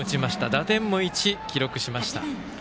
打点も１記録しました。